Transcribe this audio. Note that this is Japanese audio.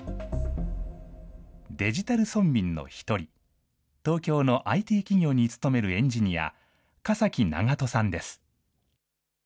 デジタル村民の一人、東京のＩＴ企業に勤めるエンジニア、加嵜長門さんです。